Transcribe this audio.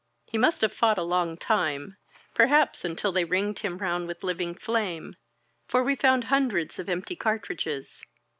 He must have fought a long time, perhaps until they ringed him round with living flame — for we found hundreds of empty cartridges.